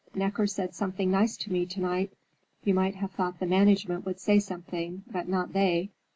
"Necker said something nice to me tonight. You might have thought the management would say something, but not they."